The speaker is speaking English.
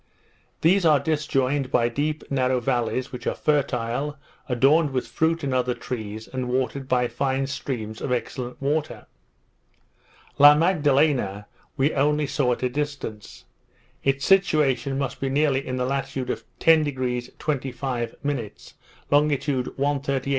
These are disjoined by deep narrow vallies, which are fertile, adorned with fruit and other trees, and watered by fine streams of excellent water. La Magdalena we only saw at a distance. Its situation must be nearly in the latitude of 10° 25', longitude 138° 50'.